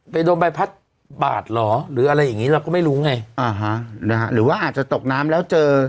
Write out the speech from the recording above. โดนใบพัดบาดเหรอหรืออะไรอย่างงี้เราก็ไม่รู้ไงอ่าฮะนะฮะหรือว่าอาจจะตกน้ำแล้วเจอ